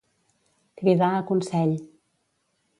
Cridar a consell.